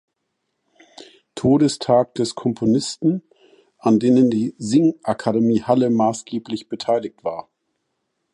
Todestag des Komponisten, an denen die Singakademie Halle maßgeblich beteiligt war.